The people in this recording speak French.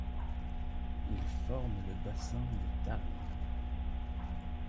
Il forme le bassin du Tarim.